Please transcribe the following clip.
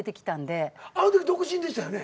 あのとき独身でしたよね？